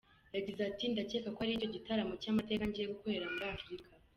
Yagize ati “Ndacyeka ko ari cyo gitaramo cy’amateka ngiye gukorera muri Afurika.